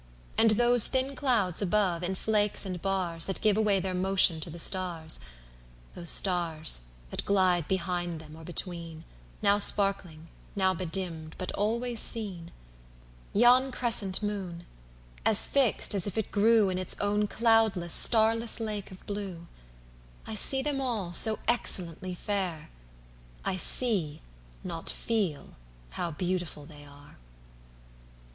And those thin clouds above, in flakes and bars, That give away their motion to the stars:Those stars, that glide behind them or between, Now sparkling, now bedimmed, but always seen; Yon crescent Moon, as fixed as if it grewIn its own cloudless, starless lake of blue;I see them all so excellently fair,I see, not feel, how beautiful they are!